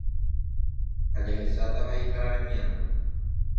ha jahecháta haihára remiandu.